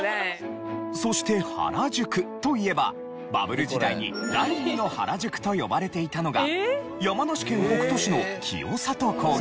そして原宿といえばバブル時代に第２の原宿と呼ばれていたのが山梨県北杜市の清里高原。